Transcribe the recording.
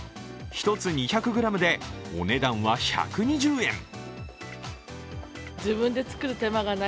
１つ２００ｇでお値段は１５０円。